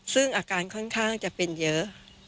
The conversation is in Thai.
ซึ่งอาการค่อนข้างจะเป็นเยอะ